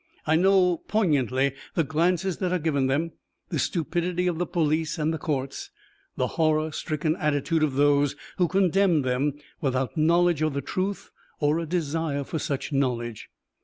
I know poignantly the glances that are given them, the stupidity of the police and the courts, the horror stricken attitude of those who condemn them without knowledge of the truth or a desire for such knowledge."